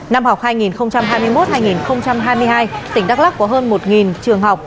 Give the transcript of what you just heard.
năm học hai nghìn hai mươi một hai nghìn hai mươi hai tỉnh đắk lắc có hơn một trường học